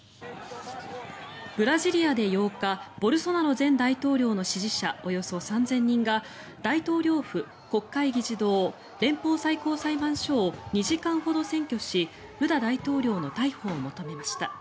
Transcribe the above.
ブラジリアで８日ボルソナロ前大統領の支持者およそ３０００人が大統領府、国会議事堂連邦最高裁判所を２時間ほど占拠しルラ大統領の逮捕を求めました。